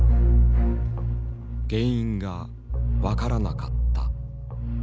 原因が分からなかった。